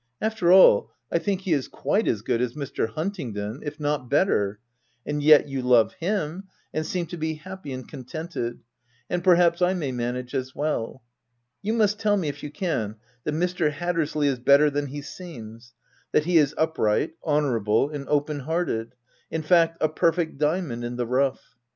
After all, I think he is quite as good as Mr. Huntingdon , if not better ; and yet, you love him, and seem to be happy and contented ; and perhaps I may manage as well. You must tell me, if you can, that Mr. Hattersley is better than he seems — that he is upright, honourable, and open hearted — in fact, a perfect diamond in the rough.